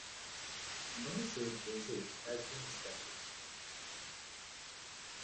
No "safe" dosage has been established.